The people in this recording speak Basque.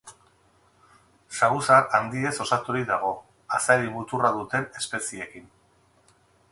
Saguzar handiez osaturik dago, azeri muturra duten espezieekin.